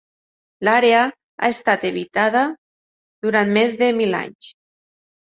L'àrea ha estat habitada durant més de mil anys.